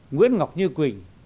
nguyễn ngọc như quỳnh